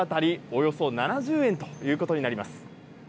およそ７０円ということになります。